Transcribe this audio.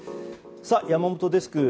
山本デスク